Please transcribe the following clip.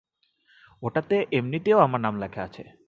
ওটাতে এম্নিতেও আমার নাম লেখা আছে।